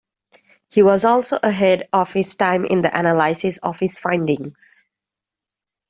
He was also ahead of his time in the analysis of his findings.